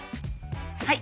はい。